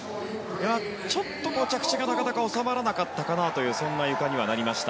ちょっと着地がなかなか収まらなかったかなというそんな、ゆかにはなりました。